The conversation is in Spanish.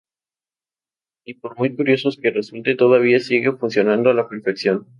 Y por muy curiosos que resulte todavía sigue funcionando a la perfección.